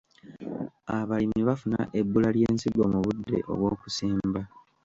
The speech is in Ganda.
Abalimi bafuna ebbula ly’ensigo mu budde obw’okusimba.